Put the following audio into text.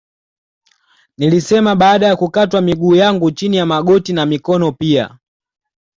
Nilisema baada ya kukatwa miguu yangu chini ya magoti na mikono pia